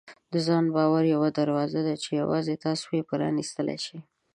د ځان باور یوه دروازه ده چې یوازې تاسو یې پرانیستلی شئ.